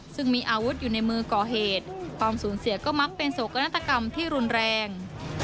ซึ่งมีอาวุธอยู่ในมือก่อเหตุความสูญเสียก็มักเป็นโศกนาฏกรรมที่รุนแรง